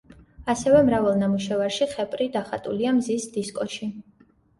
ასევე მრავალ ნამუშევარში ხეპრი დახატულია მზის დისკოში.